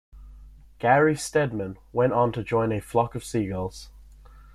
Gary Steadman went on to join A Flock of Seagulls.